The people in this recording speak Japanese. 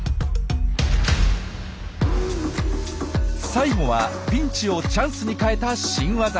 最後はピンチをチャンスに変えた新ワザ。